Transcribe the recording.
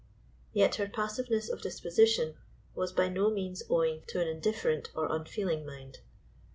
Yet her passiveness of disposition was by no means owing to an indifferent or unfeeling mind.